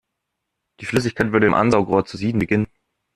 Die Flüssigkeit würde im Ansaugrohr zu sieden beginnen.